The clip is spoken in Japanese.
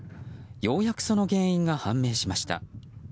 ようやくその原因が判明しました。